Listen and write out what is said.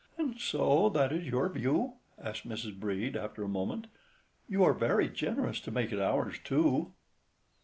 "And so that is your view?" asked Mrs. Brede, after a moment; "you are very generous to make it ours, too."